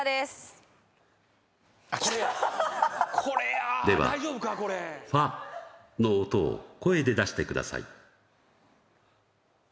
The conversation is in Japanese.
はっこれやでは「ファ」の音を声で出してください